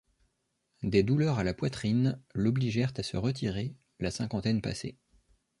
Des douleurs à la poitrine l'obligent à se retirer, la cinquantaine passée.